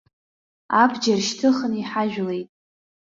Абџьар шьҭыхны иҳажәлеит.